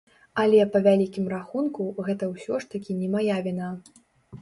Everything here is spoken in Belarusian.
Але, па вялікім рахунку, гэта ўсё ж такі не мая віна.